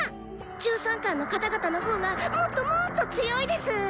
１３冠の方々の方がもっともっと強いです！